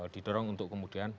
ditorong untuk kemudian